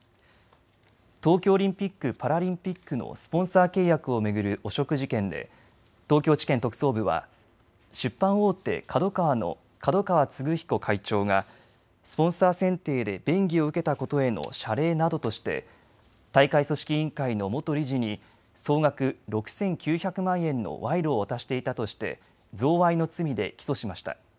東京オリンピック・パラリンピックのスポンサー契約を巡る汚職事件で東京地検特捜部は出版大手ＫＡＤＯＫＡＷＡの角川歴彦会長がスポンサー選定で便宜を受けたことへの謝礼などとして大会組織委員会の元理事に総額６９００万円の賄賂を渡していたとして贈賄の罪で起訴しました。